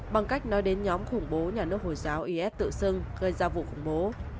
bằng cách nói đến nhóm khủng bố nhà nước hồi giáo is tự xưng gây ra vụ khủng bố